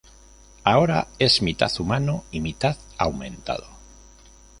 Ahora es mitad humano y mitad aumentado.